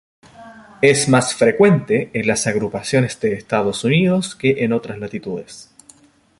Es más frecuente en las agrupaciones de Estados Unidos que en otras latitudes.